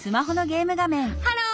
ハロー！